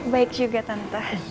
baik juga tante